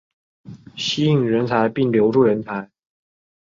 吸引人才并留住人才